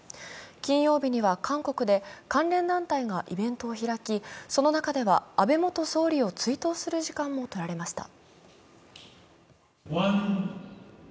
金曜日には韓国で関連団体がイベントを開き、その中では安倍元総理を追悼する時間も取られました。